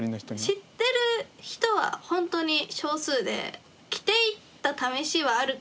知ってる人は本当に少数で着ていったためしはあるけどあの服を。